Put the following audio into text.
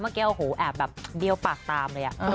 เมื่อกี้โอ้โหแอบแบบเดียวปากตามเลย